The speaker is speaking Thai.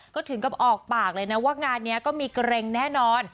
ก็ถึงกับออกปากเลยนะว่างานนี้ก็มีเกร็งแน่นอน